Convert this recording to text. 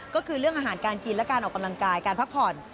ก็คือเรื่องอาหารการกินและการออกกำลังกายการพักผ่อน